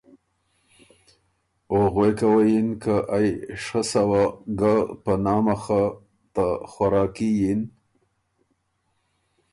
او غوېکه وه یِن که ائ شۀ سوه ګه په نامه خه ته ”خوراکي“ یِن